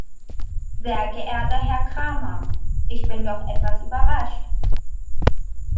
Sehr geehrter Herr Cramer, ich bin doch etwas überrascht.